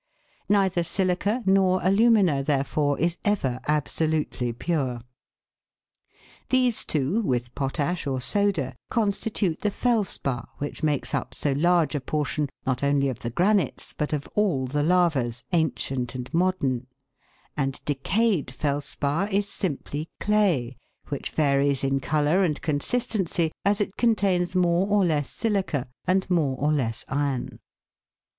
Neither silica nor alumina, therefore, is ever absolutely pure. These two, with potash or soda, constitute the felspar which makes up so large a portion, not only of the granites, but of all the lavas, ancient and modern; and decayed felspar is simply day> which varies in colour and con sistency as it contains more or less silica, and more or less iron.